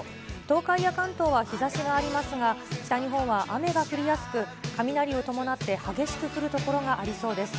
東海や関東は日ざしがありますが、北日本は雨が降りやすく、雷を伴って激しく降る所がありそうです。